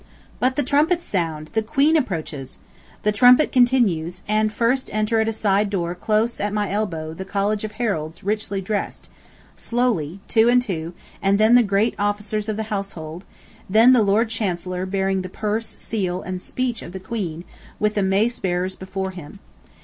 But the trumpets sound! the Queen approaches! The trumpet continues, and first enter at a side door close at my elbow the college of heralds richly dressed, slowly, two and two; then the great officers of the household, then the Lord Chancellor bearing the purse, seal, and speech of the Queen, with the macebearers before him.